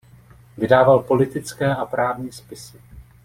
Vydával politické a právní spisy.